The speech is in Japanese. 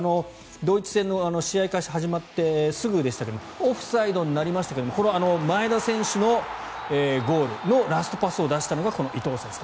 ドイツ戦の試合始まってすぐですがオフサイドになりましたが前田選手のゴールのラストパスを出したのがこの伊東選手。